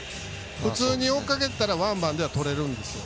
普通に追いかけてたらワンバンではとれるんです。